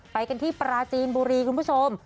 ไปกันที่ปราจีนบุรีคุณผู้ชม